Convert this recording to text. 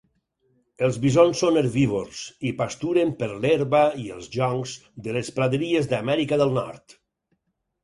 El bisons són herbívors i pasturen per l'herba i els joncs de les praderies d'Amèrica del Nord.